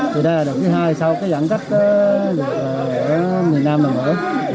thì đây là đợt thứ hai sau cái giãn cách ở miền nam là mở